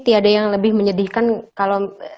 tiada yang lebih menyedihkan kalau